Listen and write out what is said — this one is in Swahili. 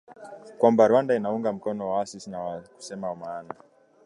kwamba Rwanda inaunga mkono waasi hao na kusema maana